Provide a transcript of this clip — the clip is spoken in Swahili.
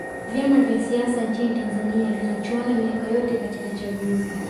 vyama vya siasa nchini tanzania vinachuana miaka yote katika chaguzi